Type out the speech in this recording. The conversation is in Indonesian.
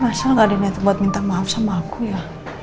masa gak ada niat buat minta maaf sama aku ya